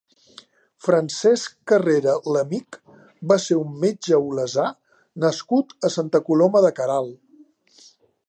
Francesc Carrera Lamich va ser un metge olesà nascut a Santa Coloma de Queralt.